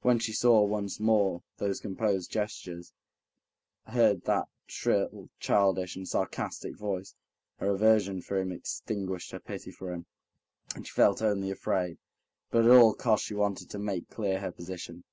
When she saw once more those composed gestures, heard that shrill, childish, and sarcastic voice, her aversion for him extinguished her pity for him, and she felt only afraid, but at all costs she wanted to make clear her position.